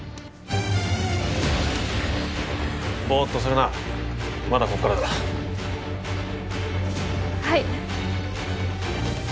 ボーッとするなまだこっからだはい！